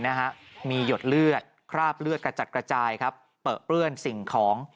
นะฮะมีหยดเลือดคราบเลือดกระจัดกระจายครับเปลือเปื้อนสิ่งของ